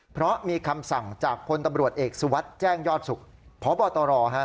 เพราะมีคำสั่งจากพลตำรวจเอกสุวัสดิ์แจ้งยอดสุขพบตรฮะ